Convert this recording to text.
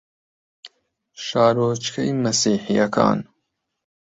شارۆچکەی مەسیحییەکان